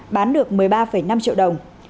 bán được một mươi ba năm triệu đồng